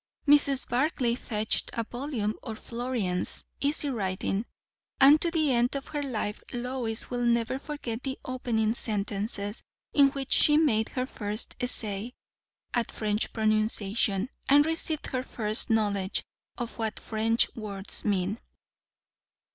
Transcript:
Mrs. Barclay fetched a volume of Florian's "Easy Writing"; and to the end of her life Lois will never forget the opening sentences in which she made her first essay at French pronunciation, and received her first knowledge of what French words mean.